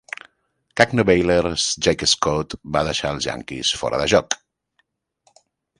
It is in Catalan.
Knuckleballer Jack Scott va deixar als Yankees fora de joc.